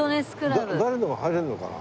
誰でも入れるのかな？